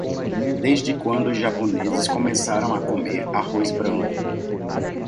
Desde quando os japoneses começaram a comer arroz branco?